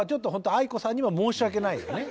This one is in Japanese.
ａｉｋｏさんには申し訳ないよね。